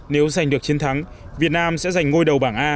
nếu giành được chiến thắng việt nam sẽ giành ngôi đầu bảng a